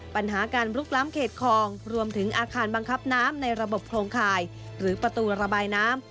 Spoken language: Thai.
ปัญหาการลุกล้ำเขตคลองรวมถึงอาคารบังคับน้ำในระบบโครงข่ายหรือประตูระบายน้ำ